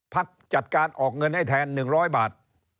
จัดการออกเงินให้แทน๑๐๐บาท